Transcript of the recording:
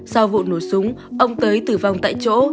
sau vụ nổ súng ông tới tử vong tại chỗ